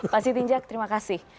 pak sitiinjak terima kasih